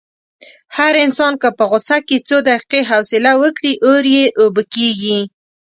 هر انسان که په غوسه کې څو دقیقې حوصله وکړي، اور یې اوبه کېږي.